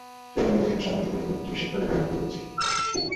সেইজন্যেই তো সম্প্রতি দেবীকে একটু হিসেব করে ঘরে ঢুকতে বলেছিলুম।